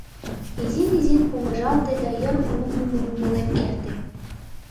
Изин-изин помыжалте да йыр улшым умылен керте.